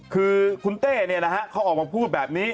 คือคุณเต้เนี่ยนะฮะเขาออกมาพูดแบบนี้